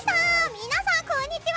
皆さん、こんにちは。